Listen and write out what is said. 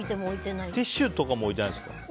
ティッシュとかも置いてないです。